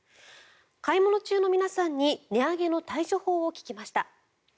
買い物中の皆さんに値上げの対処法を聞きました。